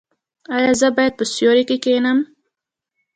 ایا زه باید په سیوري کې کینم؟